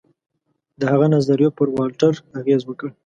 د هغه نظریو پر والټر اغېز وکړ.